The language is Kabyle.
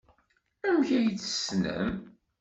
Amek ay tt-tessnem?